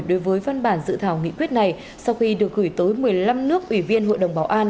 đối với văn bản dự thảo nghị quyết này sau khi được gửi tới một mươi năm nước ủy viên hội đồng bảo an